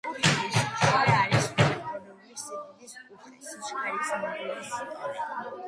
კუთხური სიხშირე არის ვექტორული სიდიდის, კუთხური სიჩქარის მოდულის ტოლი.